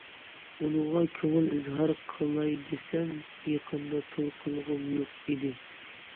ئۇنىڭغا كۆڭۈل ئىزھار قىلاي دېسەم، يېقىندا توي قىلغۇم يوق ئىدى.